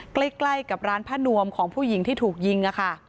ใกล้กับร้านผ้านวมของผู้หญิงที่ถูกยิงค่ะ